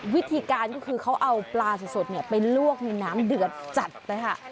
วิธีการก็คือเขาเอาปลาสดไปลวกในน้ำเดือดจัดเลยค่ะ